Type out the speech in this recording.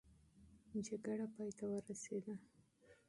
جګړه پای ته ورسېده.